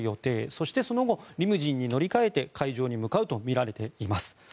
そして、その後リムジンに乗り換えて会場に向かうとみられています。